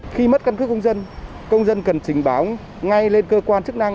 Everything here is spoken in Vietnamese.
khi mất cân cước công dân công dân cần trình báo ngay lên cơ quan chức năng